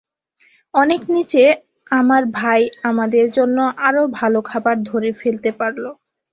অনেক নীচে, আমার ভাই আমাদের জন্য আরও ভাল খাবার ধরে ফেলতে পারলো।